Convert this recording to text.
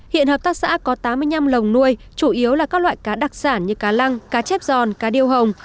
hiện hợp tác xã có tám mươi năm lồng nuôi chủ yếu là các loại cá đặc sản như cá lăng cá chép giòn cá điêu hồng